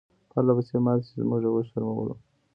پرله پسې ماتې چې موږ یې شرمولو.